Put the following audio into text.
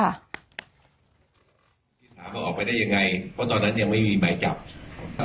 ออกไปได้ยังไงเพราะตอนนั้นยังไม่มีไม้จับ